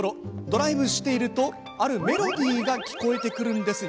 ドライブしているとあるメロディーが聞こえてくるんです。